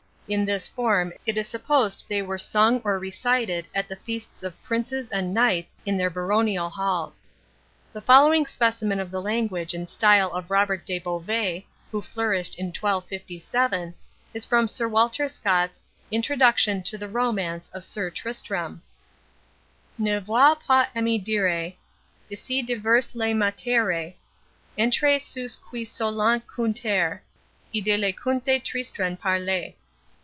In this form it is supposed they were sung or recited at the feasts of princes and knights in their baronial halls. The following specimen of the language and style of Robert de Beauvais, who flourished in 1257, is from Sir Walter Scott's "Introduction to the Romance of Sir Tristrem": "Ne voil pas emmi dire, Ici diverse la matyere, Entre ceus qui solent cunter, E de le cunte Tristran parler."